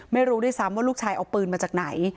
ไม่รู้ด้วยซ้ำว่าลูกชายเอาปืนมาจากไหน